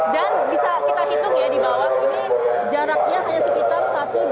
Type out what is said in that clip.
dan bisa kita hitung ya di bawah ini jaraknya hanya sekitar satu dua tiga empat lima